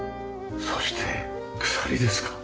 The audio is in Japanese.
そして鎖ですかね？